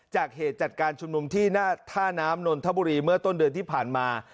เหตุจัดการชุมนุมที่หน้าท่าน้ำนนทบุรีเมื่อต้นเดือนที่ผ่านมา